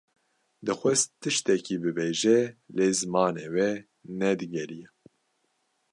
Dixwest tiştekî bibêje; lê zimanê wê ne digeriya.